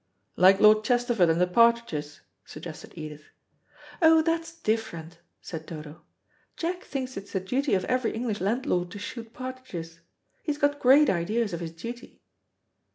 "Like Lord Chesterford and the partridges," suggested Edith. "Oh, that's different," said Dodo. "Jack thinks it's the duty of every English landlord to shoot partridges. He's got great ideas of his duty."